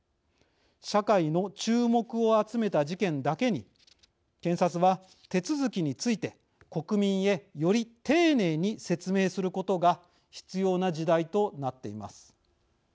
社会の注目を集めた事件だけに検察は手続きについて国民へより丁寧に説明することが必要な時代となっています。